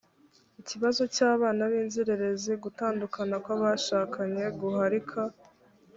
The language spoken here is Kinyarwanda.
ikibazo cy abana b inzererezi gutandukana kw abashakanye guharika